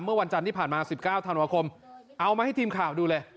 เมื่อวันจันทร์ที่ผ่านมา๑๙ธันวาคมเอามาให้ทีมข่าวดูเลย